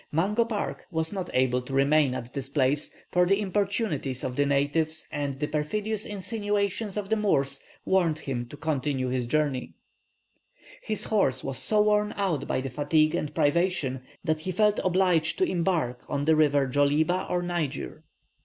Mungo Park was not able to remain at this place, for the importunities of the natives and the perfidious insinuations of the Moors warned him to continue his route. His horse was so worn out by fatigue and privation that he felt obliged to embark on the river Djoliba or Niger.